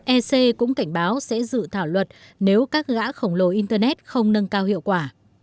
ec cũng cảnh báo sẽ dự thảo luật nếu các gã khổng lồ internet không nâng cao hiệu quả